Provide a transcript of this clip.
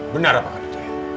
benar apa kata dia